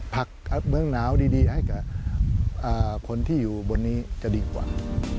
ผักเมืองหนาวดีให้กับคนที่อยู่บนนี้จะดีกว่า